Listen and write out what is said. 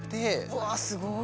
うわすごい。